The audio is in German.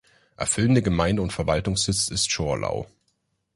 Erfüllende Gemeinde und Verwaltungssitz ist Zschorlau.